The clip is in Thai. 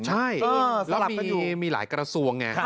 ใช่สลับกันอยู่มีหลายกระทรวงไง